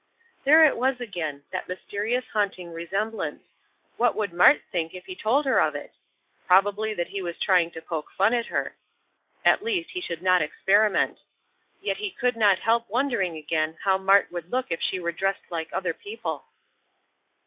There it was again, that mysterious, haunting resemblance! What would Mart think if he told her of it? Probably that he was trying to poke fun at her. At least, he should not experiment. Yet he could not help wondering again, how Mart would look if she were dressed like other people.